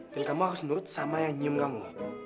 dan kamu harus menurut sama yang nyium kamu